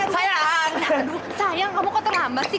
sayang aduh sayang kamu kok terlambat sih